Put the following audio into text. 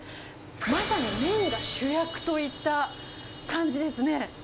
まさに麺が主役といった感じですね。